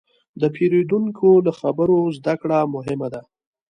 د پیرودونکي له خبرو زدهکړه مهمه ده.